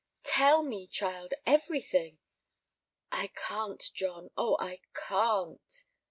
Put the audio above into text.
"Tell me, child, everything." "I can't, John! oh, I can't!"